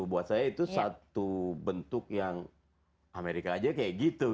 buat saya itu satu bentuk yang amerika aja kayak gitu